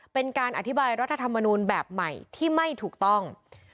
เป็นการอธิบายรัฐธรรมนูลแบบใหม่ที่ไม่ถูกต้อง